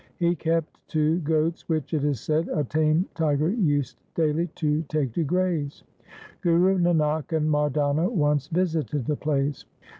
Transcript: He kept two goats which, it is said, a tame tiger used daily to take to graze. Guru Nanak and Mardana once visited the place.